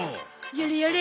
やれやれ。